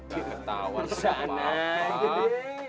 gak ketawa sama aku